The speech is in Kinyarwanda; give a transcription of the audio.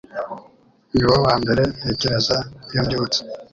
Ni wowe wa mbere ntekereza iyo mbyutse